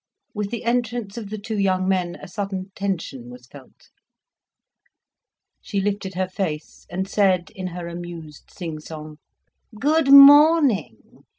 With the entrance of the two young men a sudden tension was felt. She lifted her face, and said, in her amused sing song: "Good morning!